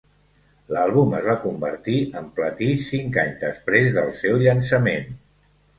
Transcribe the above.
L'àlbum es va convertir en platí cinc anys després del seu llançament.